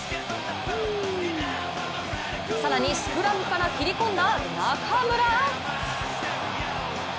更にスクラムから切り込んだ中村。